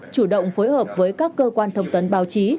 chủ động phối hợp với các cơ quan thông tấn báo chí